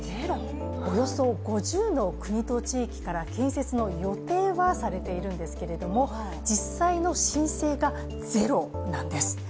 およそ５０の国と地域から建設の予定はされているんですが実際の申請がゼロなんです。